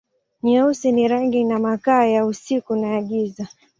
Nyeusi ni rangi na makaa, ya usiku na ya giza.